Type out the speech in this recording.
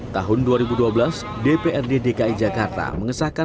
tahun dua ribu dua belas dprd dki jakarta mengesahkan